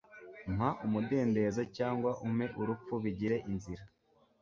Mpa umudendezo cyangwa umpe urupfu bigire inzira